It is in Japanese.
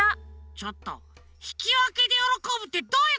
ちょっとひきわけでよろこぶってどういうこと？